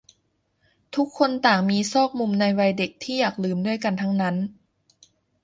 ทุกคนต่างมีซอกมุมในวัยเด็กที่อยากลืมด้วยกันทั้งนั้น